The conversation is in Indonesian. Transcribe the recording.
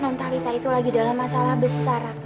nontalita itu lagi dalam masalah besar raka